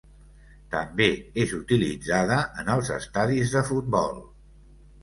També és utilitzada en els estadis de futbol.